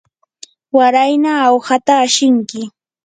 warayna awhata ashinki.